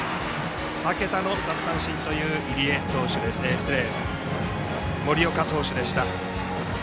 ２桁奪三振という森岡投手でした。